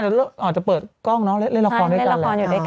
คุณอาจจะเปิดกล้องเล่นลำควรด้วยกัน